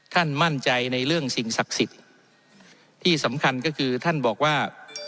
ท่านมั่นใจในเรื่องสิ่งศักดิ์สิทธิ์ที่สำคัญก็คือท่านบอกว่า